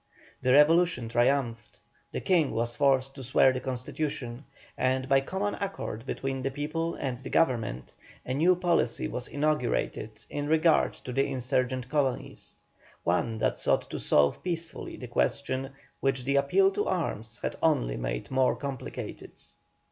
The revolution triumphed, the King was forced to swear the constitution, and, by common accord between the people and the government, a new policy was inaugurated in regard to the insurgent colonies, one that sought to solve peacefully the question which the appeal to arms had only made more complicated.